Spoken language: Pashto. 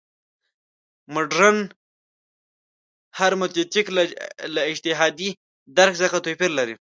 مډرن هرمنوتیک له اجتهادي درک څخه توپیر لري.